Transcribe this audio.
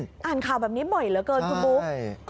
อ่านข่าวแบบนี้บ่อยเหลือเกินคุณบุ๊ค